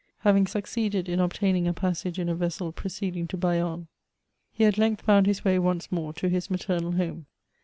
Having succeeded in ob taining a passage in a vessel proceeding to Bayonne, he at VOL. I. E 50 MEMOIRS OF length found his way once more to his maternal home.